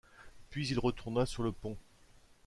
Puis il retourna sur le pont.